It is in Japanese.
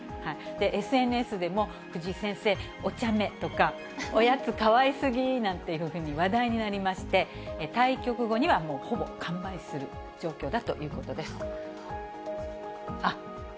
ＳＮＳでも、藤井先生、おちゃめとか、おやつかわいすぎなんていうふうに話題になりまして、対局後には、もうほぼ完売する状況だということです。